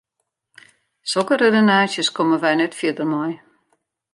Sokke redenaasjes komme wy net fierder mei.